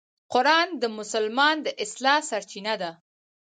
قرآن د مسلمان د اصلاح سرچینه ده.